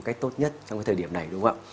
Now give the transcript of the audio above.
cách tốt nhất trong thời điểm này